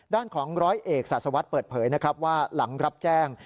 ด้านของร้อยเอกศาสวัสดิ์เปิดเผยนะครับว่าหลังรับแจ้ง